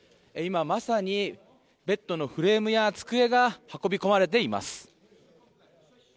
今まさにベッドのフレームや机が運び込まれています。